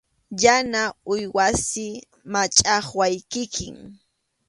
Yana uywasi, machʼaqway kikin.